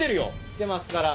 きてますから。